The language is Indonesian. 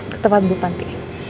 ketempat bu panti